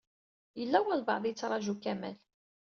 Yella walebɛaḍ i yettṛaju Kamal.